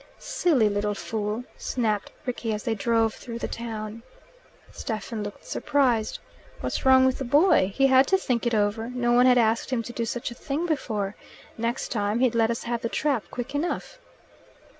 "Silly little fool," snapped Rickie, as they drove through the town. Stephen looked surprised. "What's wrong with the boy? He had to think it over. No one had asked him to do such a thing before. Next time he'd let us have the trap quick enough."